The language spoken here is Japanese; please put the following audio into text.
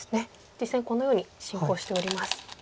実戦このように進行しております。